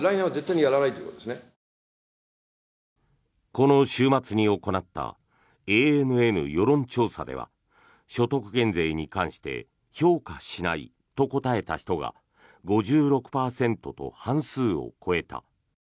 この週末に行ったＡＮＮ世論調査では所得減税に関して評価しないと答えた人が５６％と半数を超えた。